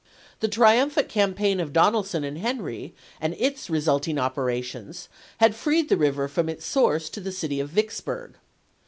The triumphant campaign of Donelson and Henry and its resulting operations had freed the river from its source to the city of Vicksburg.